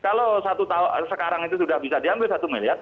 kalau sekarang itu sudah bisa diambil satu miliar